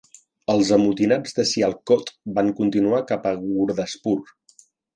Els amotinats de Sialkot van continuar cap a Gurdaspur.